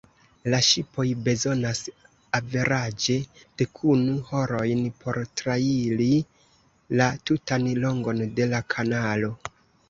La ŝipoj bezonas averaĝe dekunu horojn por trairi la tutan longon de la kanalo.